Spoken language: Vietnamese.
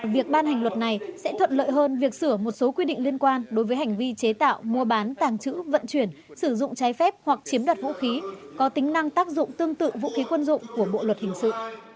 việc ban hành luật này sẽ thuận lợi hơn việc sửa một số quy định liên quan đối với hành vi chế tạo mua bán tàng trữ vận chuyển sử dụng trái phép hoặc chiếm đoạt vũ khí có tính năng tác dụng tương tự vũ khí quân dụng của bộ luật hình sự